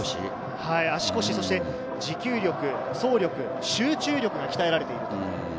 足腰、そして持久力、走力、集中力が鍛えられている。